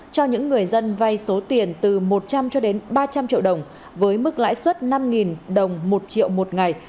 cho những người dân vay số tiền từ một trăm linh cho đến ba trăm linh triệu đồng với mức lãi suất năm đồng một triệu một ngày